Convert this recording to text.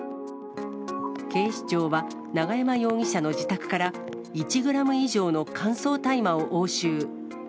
警視庁は、永山容疑者の自宅から、１グラム以上の乾燥大麻を押収。